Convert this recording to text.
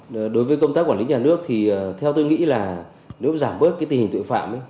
đối với công tác quản lý nhà nước thì theo tôi nghĩ là nếu giảm bớt cái tình hình tội phạm